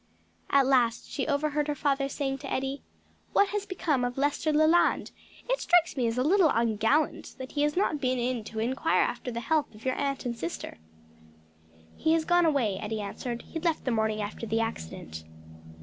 At last she overheard her father saying to Eddie, "What has become of Lester Leland? It strikes me as a little ungallant that he has not been in to inquire after the health of your aunt and sister." "He has gone away," Eddie answered, "he left the morning after the accident."